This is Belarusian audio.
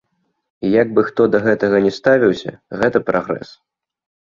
Як бы хто да гэтага не ставіўся, гэта прагрэс.